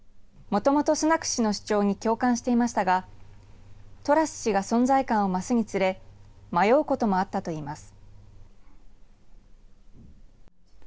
もともとスナク氏の主張に共感していましたがトラス氏が存在感を増すにつれ迷うこともあったといいます。